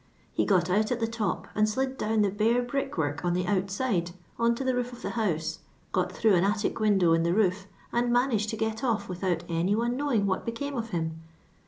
He got out at the top, and slid down the bare brickwork on the ouuiUe, on to the roof of the house, got through an attic window in the roof, and maiuiged to get off without any one knowing what became of him.